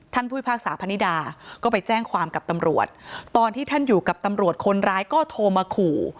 ผู้พิพากษาพนิดาก็ไปแจ้งความกับตำรวจตอนที่ท่านอยู่กับตำรวจคนร้ายก็โทรมาขู่